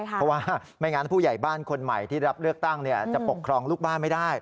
เพราะว่าไม่งั้นผู้ใหญ่บ้านคนใหม่ที่รับเลือกตั้งจะปกครองลูกบ้านไม่ได้